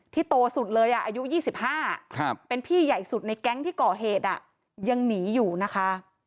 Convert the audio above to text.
โตสุดเลยอายุ๒๕เป็นพี่ใหญ่สุดในแก๊งที่ก่อเหตุยังหนีอยู่นะคะ